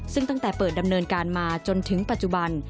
ซึ่งตั้งแต่เปิดดำเนินการมาจนถึงปัจจุบัน